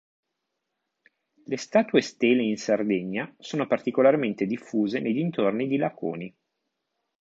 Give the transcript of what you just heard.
Le statue stele in Sardegna sono particolarmente diffuse nei dintorni di Laconi.